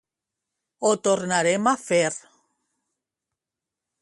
Ho tornarem a fer!